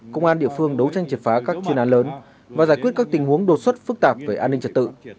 công an địa phương đấu tranh triệt phá các chuyên án lớn và giải quyết các tình huống đột xuất phức tạp về an ninh trật tự